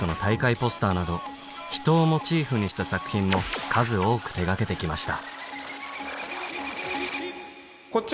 これまでなど人をモチーフにした作品も数多く手掛けて来ました